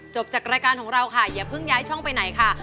จากรายการของเราค่ะอย่าเพิ่งย้ายช่องไปไหนค่ะ